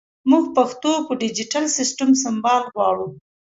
مونږ پښتو په ډیجېټل سیسټم سمبال غواړو